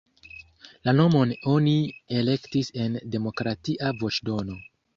La nomon oni elektis en demokratia voĉdono.